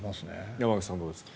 山口さん、どうですか？